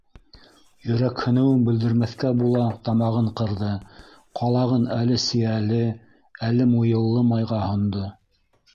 Йөрәкһенеүен белдермәҫкә була тамағын ҡырҙы, ҡалағын әле сейәле, әле муйыллы майға һондо: